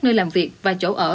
nơi làm việc và chỗ ở